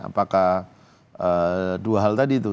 apakah dua hal tadi itu